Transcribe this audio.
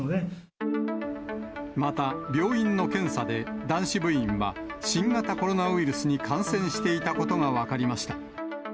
また、病院の検査で男子部員は、新型コロナウイルスに感染していたことが分かりました。